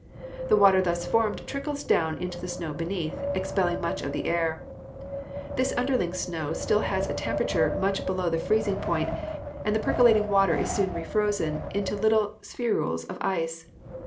The water thus formed trickles down into the snow beneath, expelling much of the air. This underling snow has still a temperature much below the freezing point, and the percolating water is soon refrozen into little spherules of ice.